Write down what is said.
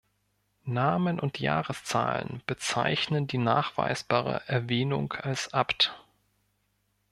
Namen und Jahreszahlen bezeichnen die nachweisbare Erwähnung als Abt.